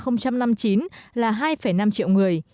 năm hai nghìn năm mươi chín là hai năm triệu người